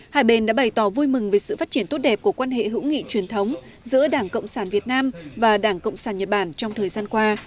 hai bên đã bày tỏ vui mừng về sự phát triển tốt đẹp của quan hệ hữu nghị truyền thống giữa đảng cộng sản việt nam và đảng cộng sản nhật bản trong thời gian qua